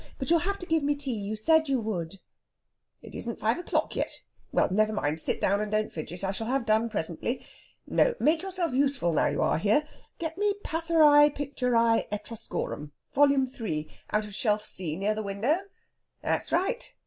But you'll have to give me tea you said you would." "It isn't five o'clock yet. Well never mind. Sit down and don't fidget. I shall have done presently.... No! make yourself useful now you are here. Get me 'Passeri Picturæ Etruscorum,' volume three, out of shelf C near the window ... that's right.